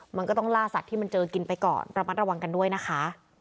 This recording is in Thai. มันก็ต้องล่าสัตว์ที่มันเจอกินไปก่อนระมัดระวังกันด้วยนะคะ